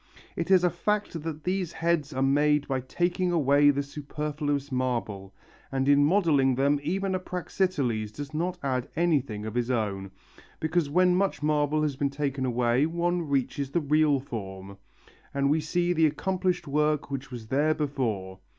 It is a fact that these heads are made by taking away the superfluous marble, and in modelling them even a Praxiteles does not add anything of his own, because when much marble has been taken away one reaches the real form, and we see the accomplished work which was there before.